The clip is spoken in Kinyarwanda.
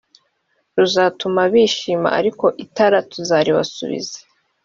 ruzatuma bishima ariko itara tuzaribasubiza